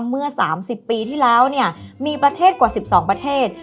เมื่อ๓๐ปีที่แล้วเนี่ยมีประเทศกว่า๑๒ประเทศ